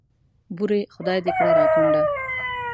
بورې خدای دې کړه را کونډه.